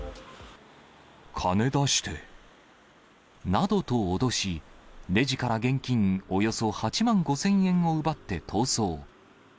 金出して。などと脅し、レジから現金およそ８万５０００円を奪って逃走。